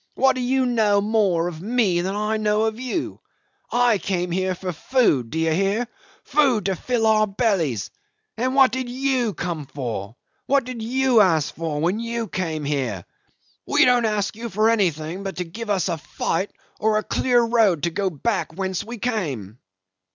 What do you know more of me than I know of you? I came here for food. D'ye hear? food to fill our bellies. And what did you come for? What did you ask for when you came here? We don't ask you for anything but to give us a fight or a clear road to go back whence we came.